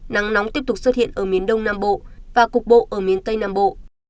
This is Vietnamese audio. nắng nóng tiếp tục xuất hiện ở miền đông nam bộ và cục bộ ở miền tây nam bộ